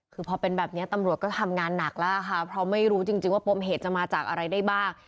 คือพอเป็นแบบนี้ตำรวจก็ทำงานหนักแล้วค่ะเพราะไม่รู้จริงว่าปมเหตุจะมาจากอะไรได้บ้าง